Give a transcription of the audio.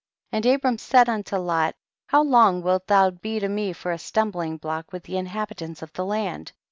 41. And Abram said unto Lot, how long wilt thou be to me for a stumbling block with the inhabitants of the land